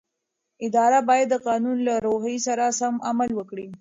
اداره باید د قانون له روحیې سره سم عمل وکړي.